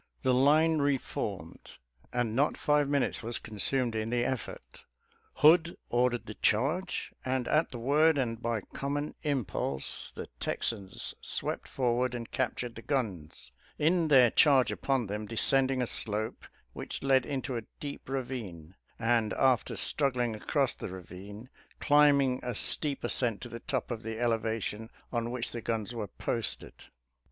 The line reformed — and not five minutes was consumed in the effort — Hood ordered the charge, and at the word and by common impulse, the Texans swept forward and captured the guns, in their charge upon them descending a slope which led into a deep ravine, and after struggling across the ravine, climbing a steep ascent to the top of the elevation on which the guns were posted.